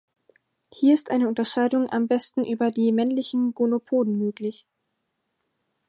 Hier ist eine Unterscheidung am besten über die männlichen Gonopoden möglich.